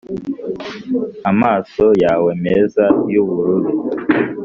amaso yawe meza yubururu,